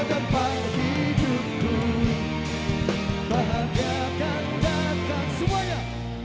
kita terkabul menjadi manusia sukses